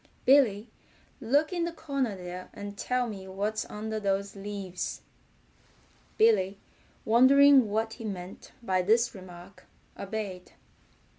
Billy, look in the corner there and tell me what's under those leaves." Billy wondering what he meant by this remark obeyed.